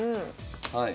はい。